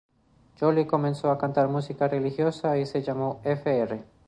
Joly empezó a cantar música religiosa y se llamó "Fr.